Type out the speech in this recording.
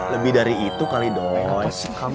lebih dari itu kali doi